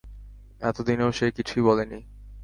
এতদিনেও সে কিছুই বলেনি।